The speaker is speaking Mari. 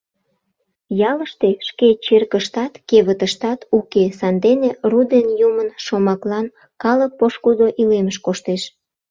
Ялыште шке черкыштат, кевытыштат уке, сандене ру ден Юмын шомаклан калык пошкудо илемыш коштеш.